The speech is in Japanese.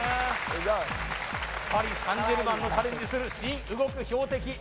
パリ・サン＝ジェルマンのチャレンジする新・動く標的